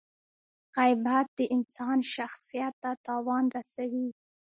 • غیبت د انسان شخصیت ته تاوان رسوي.